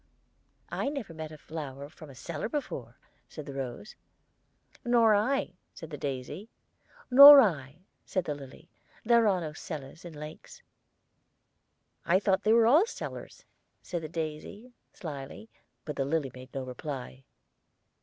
"I never met a flower from a cellar before," said the rose. "Nor I," said the daisy. "Nor I," said the lily. "There are no cellars in lakes." "I thought they were all cellar," said the daisy, slyly; but the lily made no reply.